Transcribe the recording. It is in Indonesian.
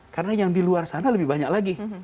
karena yang di luar sana lebih banyak lagi